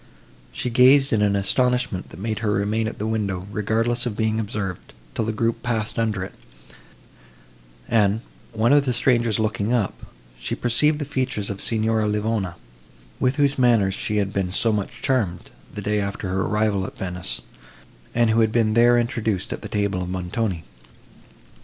She gazed in an astonishment that made her remain at the window, regardless of being observed, till the group passed under it; and, one of the strangers looking up, she perceived the features of Signora Livona, with whose manners she had been so much charmed, the day after her arrival at Venice, and who had been there introduced at the table of Montoni.